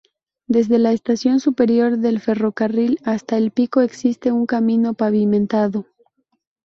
Desde la estación superior del ferrocarril hasta el pico existe un camino pavimentado.